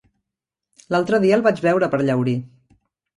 L'altre dia el vaig veure per Llaurí.